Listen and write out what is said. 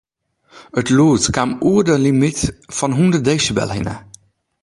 It lûd kaam oer de limyt fan hûndert desibel hinne.